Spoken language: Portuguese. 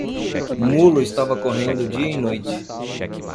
Mulo estava correndo dia e noite.